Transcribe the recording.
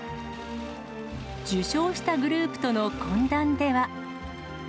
受賞したグループとの懇談では。